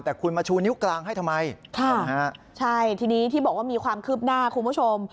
แต่คุณมาชูนิ้วกลางให้ทำไมค่ะใช่ทีนี้ที่บอกว่ามีความคืบหน้าคุณผู้ชม